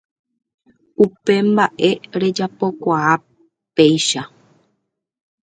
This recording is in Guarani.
Upe mbaʼe rejapokuaa péicha.